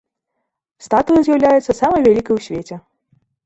Статуя з'яўляецца самай вялікай у свеце.